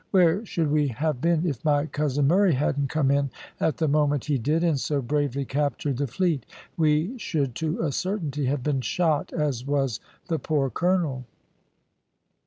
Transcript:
Where should we have been if my cousin Murray hadn't come in at the moment he did, and so bravely captured the fleet? We should to a certainty have been shot, as was the poor colonel."